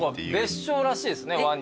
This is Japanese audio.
別称らしいですねワニ。